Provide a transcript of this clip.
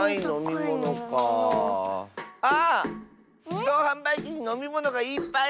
じどうはんばいきにのみものがいっぱいある！